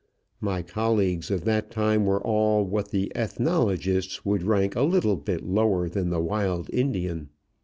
My colleagues of that time were all what the ethnologists would rank a little bit lower than the wild Indian.